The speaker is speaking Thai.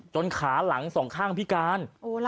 ขาหลังสองข้างพิการ